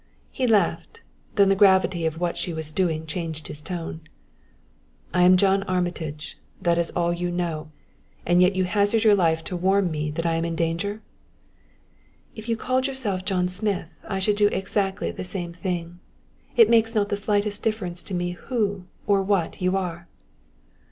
He laughed; then the gravity of what she was doing changed his tone. "I am John Armitage. That is all you know, and yet you hazard your life to warn me that I am in danger?" "If you called yourself John Smith I should do exactly the same thing. It makes not the slightest difference to me who or what you are."